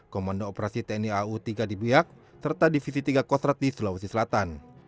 komando operasi tni au tiga di biak serta divisi tiga kostrat di sulawesi selatan